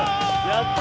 やった！